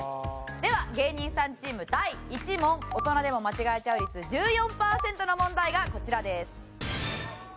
では芸人さんチーム第１問大人でも間違えちゃう率１４パーセントの問題がこちらです。